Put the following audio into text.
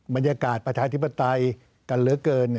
บรรยากาศประชาธิปไตกันเหลือเกิน